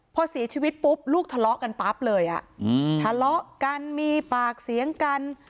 พอเสียชีวิตปุ๊บลูกทะเลาะกันปั๊บเลยทะเลาะกันมีปากเสียงกัน